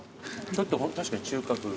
ちょっと確かに中華風。